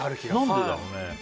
何でだろうね。